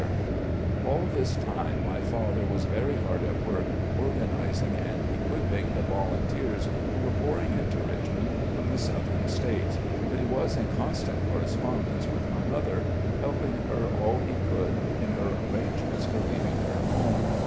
THE CONFEDERATE GENERAL 31 All this time my father was very hard at work oi^n ising and equipping the voltmteers who were pouring into Richmond from the Southern States, but he was in constant correspondence with my mother, helping her all he could in her arrangements for leaving her home.